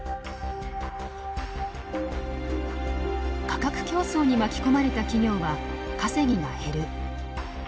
価格競争に巻き込まれた企業は稼ぎが減る。